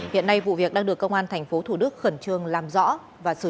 hiện nay vụ việc đang được công an tp thủ đức khẩn trương làm dễ dàng